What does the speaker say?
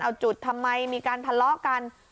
เอาจุดทำไมมีการทะเลาะกัน